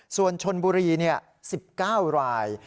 ส่วนชนบุรี๑๙ราย